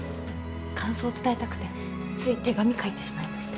感想伝えたくてつい手紙書いてしまいました。